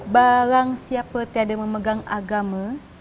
barang siapa tiada memegang agama